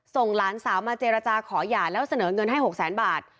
หลานสาวมาเจรจาขอหย่าแล้วเสนอเงินให้๖แสนบาท